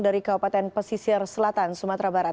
dari kabupaten pesisir selatan sumatera barat